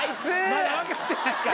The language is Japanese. まだ分かってないから。